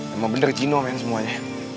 emang bener cino kan semuanya